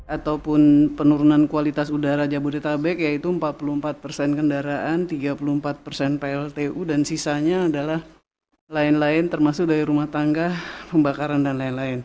ataupun penurunan kualitas udara jabodetabek yaitu empat puluh empat persen kendaraan tiga puluh empat persen pltu dan sisanya adalah lain lain termasuk dari rumah tangga pembakaran dan lain lain